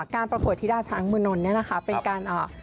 การประกวดที่ดาช้างเมืองนนท์เนี่ยนะคะเป็นการ